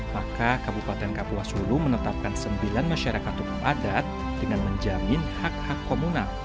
maka kabupaten kapuasulu menetapkan sembilan masyarakat hukum adat dengan menjamin hak hak komunal